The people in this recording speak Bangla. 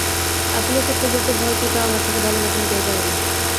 আসলে, সত্য বলতে, ভয় কি তা আমার থেকে ভালোমতো কেউ জানে না।